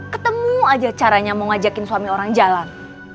ketemu aja caranya mau ngajakin suami orang jalan